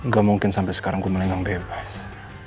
gak mungkin sampai sekarang gue melenggang bebas